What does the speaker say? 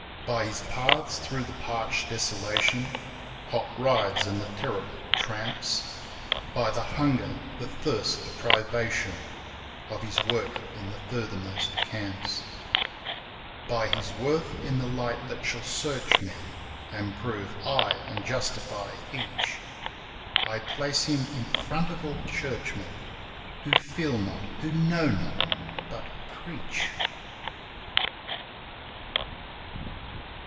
By his paths through the parched desolation Hot rides and the terrible tramps ; By the hunger, the thirst, the privation Of his work in the furthermost camps ; By his worth in the light that shall search men And prove ay ! and justify each I place him in front of all churchmen Who feel not, who know not but preach